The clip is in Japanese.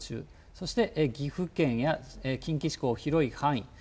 そして、岐阜県や近畿地方、広い範囲。